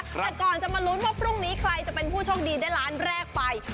แต่ก่อนจะมาลุ้นว่าพรุ่งนี้ใครจะเป็นผู้โชคดีได้ล้านแรกไป